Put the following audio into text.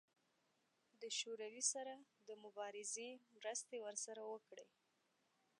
د شوروي سره د مبارزې مرستې ورسره وکړي.